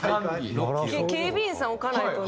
警備員さん置かないとね。